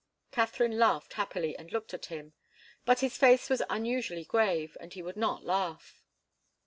Katharine laughed happily and looked at him. But his face was unusually grave, and he would not laugh.